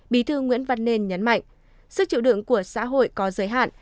bí thư nguyễn văn nên nhấn mạnh sức chịu đựng của xã hội có giới hạn